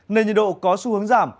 nên nhiệt độ có xu hướng giảm